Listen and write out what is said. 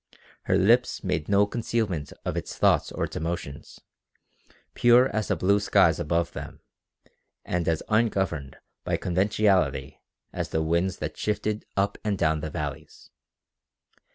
Her lips made no concealment of its thoughts or its emotions, pure as the blue skies above them and as ungoverned by conventionality as the winds that shifted up and down the valleys.